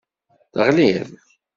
Teɣliḍ.